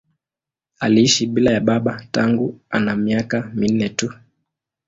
Aliishi bila ya baba tangu ana miaka minne tu.